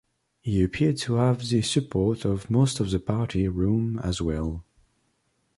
He appeared to have the support of most of the party room as well.